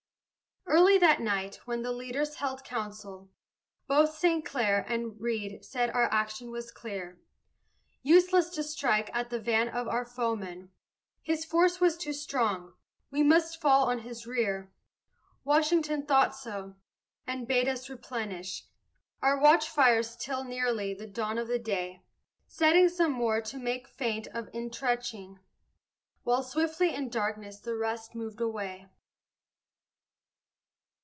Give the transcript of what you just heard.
Early that night, when the leaders held council, Both St. Clair and Reed said our action was clear; Useless to strike at the van of our foemen His force was too strong; we must fall on his rear. Washington thought so, and bade us replenish Our watchfires till nearly the dawn of the day; Setting some more to make feint of intrenching, While swiftly in darkness the rest moved away.